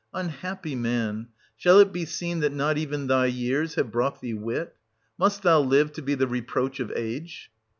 Unhappy man, shall it be seen that not even thy years have brought thee wit ? Must thou live to be the reproach of age